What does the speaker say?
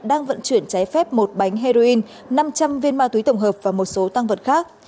đang vận chuyển trái phép một bánh heroin năm trăm linh viên ma túy tổng hợp và một số tăng vật khác